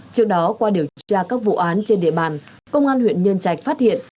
trước đó qua điều tra các vụ án trên địa bàn công an huyện nhân trạch phát hiện